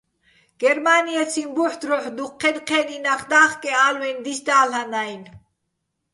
გერმა́ნიეციჼ ბუჰ̦ დროჰ̦ დუჴ ჴენ-ჴე́ნი ნახ და́ხკეჼ ალვინ დისდა́ლ'ანაჲნო̆.